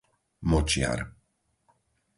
Močiar